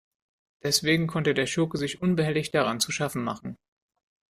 Deswegen konnte der Schurke sich unbehelligt daran zu schaffen machen.